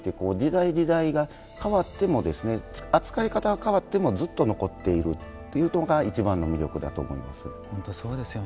時代時代が変わっても扱い方が変わってもずっと残っているのが一番の魅力だと思います。